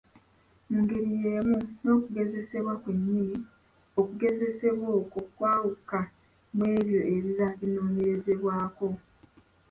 Mu ngeri y’emu n’okugezesebwa kwennyini, okugezesebwa okwo kwawuka mu ebyo ebiba binoonyerezebwako.